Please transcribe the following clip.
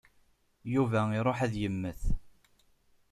Yuba iṛuḥ ad immet.